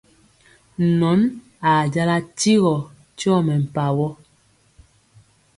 Nɔn ajala tigɔ tyɔ mɛmpawɔ.